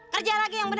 kerja lagi yang bener